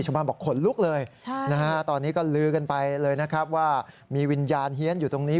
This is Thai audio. บอกขนลุกเลยตอนนี้ก็ลือกันไปเลยนะครับว่ามีวิญญาณเฮียนอยู่ตรงนี้